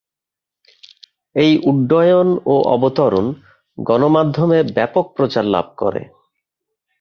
এই উড্ডয়ন ও অবতরণ গণমাধ্যমে ব্যাপক প্রচার লাভ করে।